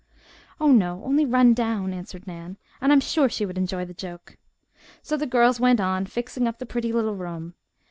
"Oh, no, only run down," answered Nan, "and I'm sure she would enjoy the joke." So the girls went on fixing up the pretty little room.